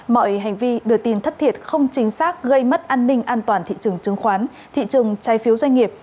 mọi hành vi đưa tin thất thiệt không chính xác gây mất an ninh an toàn thị trường chứng khoán thị trường trái phiếu doanh nghiệp